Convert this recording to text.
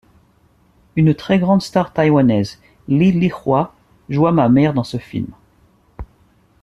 Une très grande star taiwanaise, Li Li-hua, joua ma mère dans ce film.